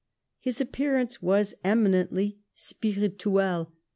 His appearance was eminently spirituel.